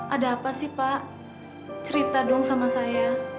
ada apa sih pak cerita dong sama saya